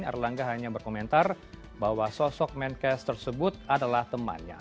erlangga hanya berkomentar bahwa sosok menkes tersebut adalah temannya